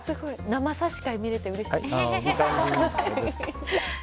生差し替え見れてうれしい。